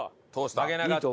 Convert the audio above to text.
曲げなかった。